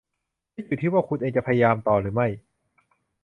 และอยู่ที่ว่าคุณเองจะพยายามต่อหรือไม่